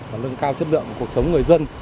và nâng cao chất lượng cuộc sống người dân